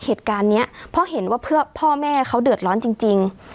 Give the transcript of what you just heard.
เหตุการณ์นี้เพราะเห็นว่าพ่อแม่เขาเดือดร้อนจริง